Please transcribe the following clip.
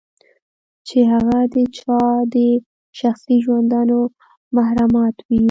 چې هغه د چا د شخصي ژوندانه محرمات وي.